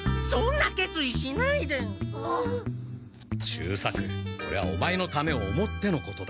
秀作これはオマエのためを思ってのことだ。